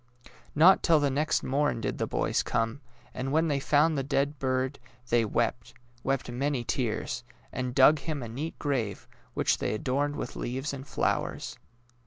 Not till the next morn did the boys come; and when they found the dead bird they wept — wept many tears — and dug him a neat I THE DAISY 199 grave, which they adorned with leaves and flowers.